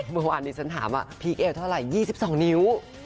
เมื่อวานนี้ฉันถามว่าพีคเอวเท่าไหร่๒๒นิ้ว